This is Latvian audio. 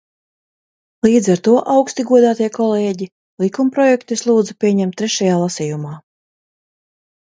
Līdz ar to, augsti godātie kolēģi, likumprojektu es lūdzu pieņemt trešajā lasījumā.